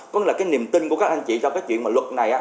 có nghĩa là cái niềm tin của các anh chị cho cái chuyện luật này